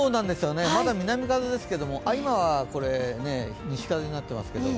まだ南風ですけれども、今は西風になってますけども。